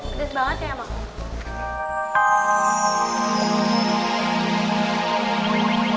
gede banget ya emang